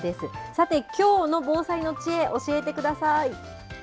さて、きょうの防災の知恵、教えてください。